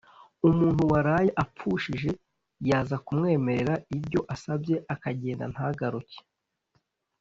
umuntu waraye apfushije, yaza kumwemerara ibyo asabye akagenda ntagaruke